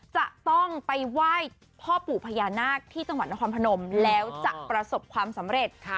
จะต้องไปไหว้พ่อปู่พญานาคที่จังหวัดนครพนมแล้วจะประสบความสำเร็จ